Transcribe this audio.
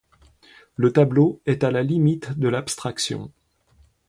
Le tableau est à la limite de l'abstraction.